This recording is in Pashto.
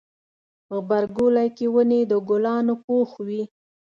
غبرګولی کې ونې د ګلانو پوښ وي.